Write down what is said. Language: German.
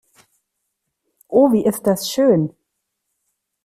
Oh, wie ist das schön!